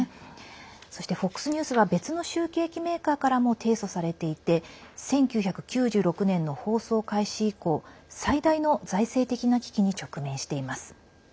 そしてＦＯＸニュースは別の集計機メーカーからも提訴されていて１９９６年の放送開始以降最大の財政的な危機に直面しています。